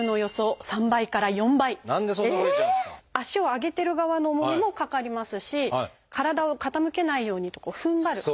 足を上げてる側の重みもかかりますし体を傾けないようにとこうふんばる。